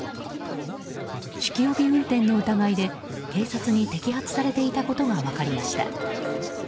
酒気帯び運転の疑いで警察に摘発されていたことが分かりました。